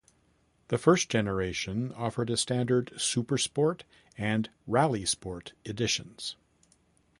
The first-generation offered a standard, "Super Sport", and "Rally Sport" editions.